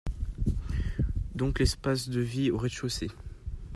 Donc l'espace de vie est au rez-de-chaussée.